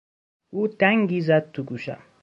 او دنگی زد تو گوشم!